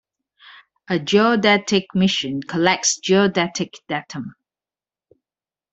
A geodetic mission collects Geodetic datum.